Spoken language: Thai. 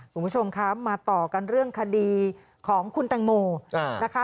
คุณผู้ชมคะมาต่อกันเรื่องคดีของคุณแตงโมนะคะ